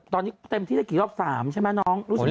ตอนนี้เต็มที่จะกี่รอบ๓ใช่มั้ยน้อง